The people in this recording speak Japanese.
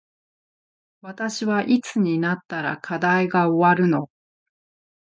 私はいつになったら課題が終わるの